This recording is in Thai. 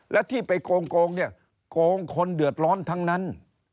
และที่ไปโกงเนี่ยโกงคนเดือดร้อนทั้งนั้น